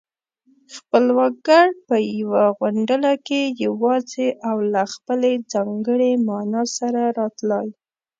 خپلواک گړ په يوه غونډله کې يواځې او له خپلې ځانګړې مانا سره راتلای